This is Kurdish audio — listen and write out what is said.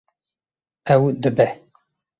Ew dibe.